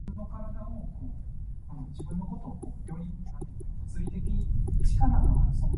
巴黎鐵塔